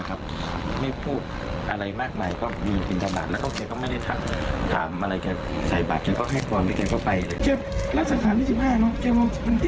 แต่ลูกศิษย์มีข้อความบอกวันสุดท้ายที่รับบาทปู่